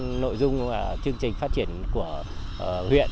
và đây là một trong những chương trình phát triển của huyện